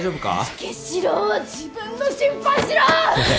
武四郎は自分の心配しろ！